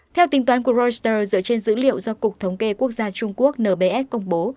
theo tính toán của reuters dựa trên dữ liệu do cục thống kê quốc gia trung quốc nbs công bố